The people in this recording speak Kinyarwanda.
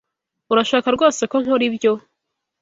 Urashaka rwose ko nkora ibyo?